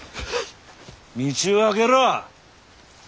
道を空けろ。